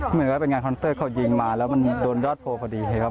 เหมือนว่าเป็นงานคอนเตอร์เขายิงมาแล้วมันโดนยอดโพลพอดีครับ